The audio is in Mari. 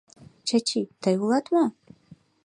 — Чачи, тый улат мо?